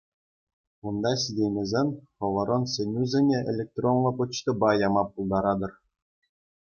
Унта ҫитеймесен хӑвӑрӑн сӗнӳсене электронлӑ почтӑпа яма пултаратӑр.